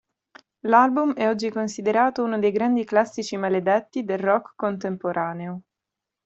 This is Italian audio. L'album è oggi considerato uno dei grandi classici "maledetti" del rock contemporaneo.